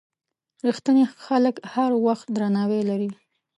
رښتیني خلک هر وخت درناوی لري.